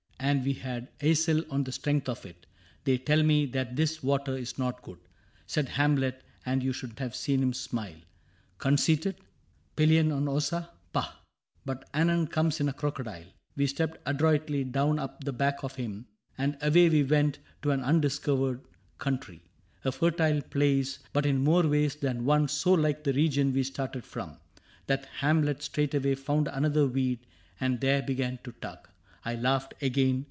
And we had eisel on the strength of it :—< They tell me that this water is not good,' Said Hamlet, and you should have seen him smile. Conceited ? Pelion on Ossa ?— pah !...^ But anon comes in a crocodile. We stepped Adroitly down upon the back of him. And away we went to an undiscovered country — A fertile place, but in more ways than one So like the region we had started from. That Hamlet straightway found another weed And there began to tug. I laughed again.